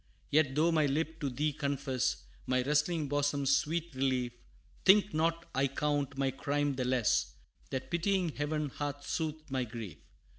Yet, though my lip to thee confess, My wrestling bosom's sweet relief, Think not I count my crime the less, That pitying Heaven hath soothed my grief.